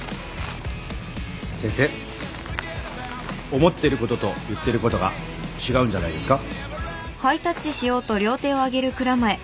先生思ってることと言ってることが違うんじゃないですか？